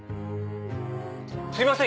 すいません